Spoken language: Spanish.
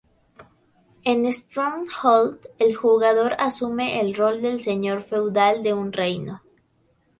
En "Stronghold", el jugador asume el rol del señor feudal de un reino.